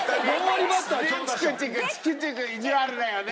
すげえチクチクチクチク意地悪だよね！